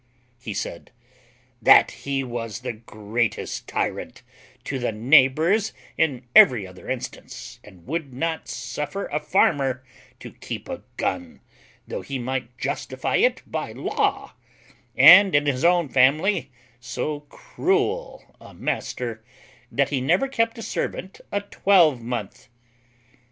He said, "That he was the greatest tyrant to the neighbours in every other instance, and would not suffer a farmer to keep a gun, though he might justify it by law; and in his own family so cruel a master, that he never kept a servant a twelvemonth.